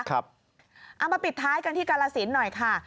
เอามาปิดท้ายกันที่กาลสินหน่อยค่ะ